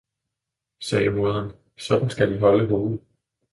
sagde moderen, sådan skal I holde hovedet!